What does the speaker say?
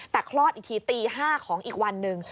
แต่คลอดอีกทีตี๕ของอีกวันหนึ่ง